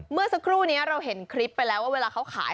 เมื่อสักครู่นี้เราเห็นคลิปไปแล้วว่าเวลาเขาขาย